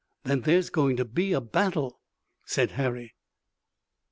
"Then there's going to be a battle," said Harry.